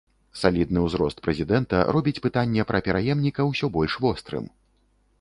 Салідны ўзрост прэзідэнта робіць пытанне пра пераемніка ўсё больш вострым.